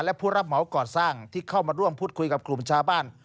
และผู้รับเหมาก่อสร้างที่เข้ามาร่วมพูดคุยกับกลุ่มชาวบ้าน